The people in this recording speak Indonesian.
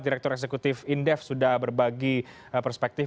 direktur eksekutif indef sudah berbagi perspektif